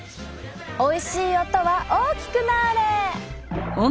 おいしい音は大きくなれ！